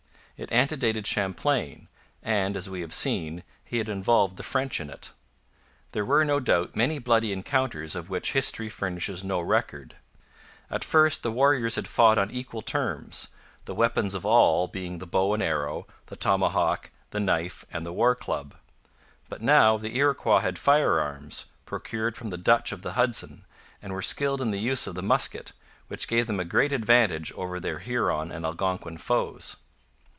It antedated Champlain; and, as we have seen, he had involved the French in it. There were, no doubt, many bloody encounters of which history furnishes no record. At first the warriors had fought on equal terms, the weapons of all being the bow and arrow, the tomahawk, the knife, and the war club. But now the Iroquois had firearms, procured from the Dutch of the Hudson, and were skilled in the use of the musket, which gave them a great advantage over their Huron and Algonquin foes.